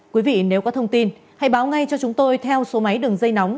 quý vị nếu có thông tin hãy báo ngay cho chúng tôi theo số máy đường dây nóng